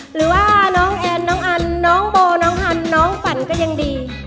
หรือว่าน้องแอนน้องอันน้องโบน้องฮันน้องฝันก็ยังดี